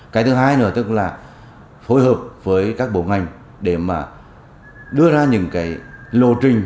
cái thứ hai nữa tức là phối hợp với các bộ ngành để mà đưa ra những cái lộ trình